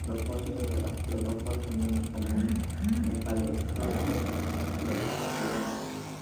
Los fósiles de gasterópodos son menos comunes en el Paleozoico que los bivalvos.